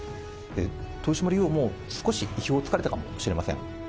豊島竜王も少し意表をつかれたかもしれません。